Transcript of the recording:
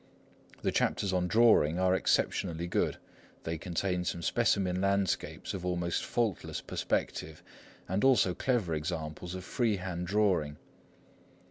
The chapters on Drawing are exceptionally good; they contain some specimen landscapes of almost faultless perspective, and also clever examples of free hand drawing.